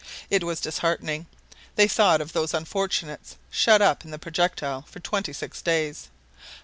It was disheartening. They thought of those unfortunates shut up in the projectile for twenty six days.